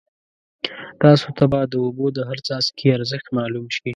تاسو ته به د اوبو د هر څاڅکي ارزښت معلوم شي.